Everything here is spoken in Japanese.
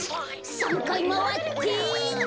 ３かいまわってにゃあ！